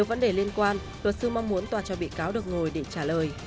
vấn đề liên quan luật sư mong muốn tòa cho bị cáo được ngồi để trả lời